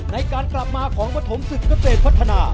ในการกลับมาของปฐมศึกเกษตรพัฒนา